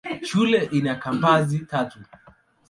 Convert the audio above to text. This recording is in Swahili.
Shule ina kampasi tatu.